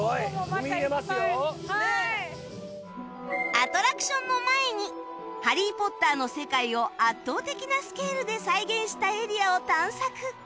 アトラクションの前に『ハリー・ポッター』の世界を圧倒的なスケールで再現したエリアを探索